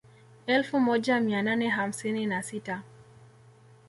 Elfu moja mia nane hamsini na sita